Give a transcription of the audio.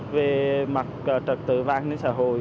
về mặt trật tự vang đến xã hội